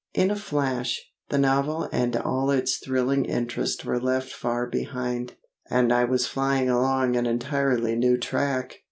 In a flash, the novel and all its thrilling interest were left far behind, and I was flying along an entirely new track.